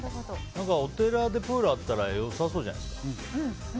お寺でプールあったら良さそうじゃないですか。